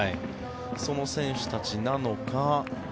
その選手たちなのか。